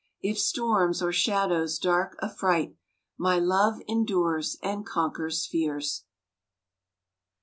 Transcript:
If storms or shadows dark affright, My love endures and conquers fears!